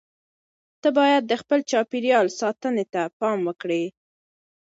ته باید د خپل چاپیریال ساتنې ته پام وکړې.